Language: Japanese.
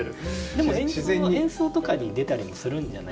でも演奏とかに出たりもするんじゃないですか。